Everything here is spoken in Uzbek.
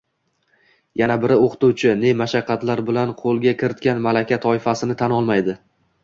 yana biri o‘qituvchi ne mashaqqatlar bilan qo‘lga kiritgan malaka toifasini tan olmaydi.